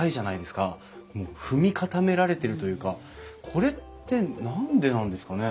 もう踏み固められてるというかこれって何でなんですかね？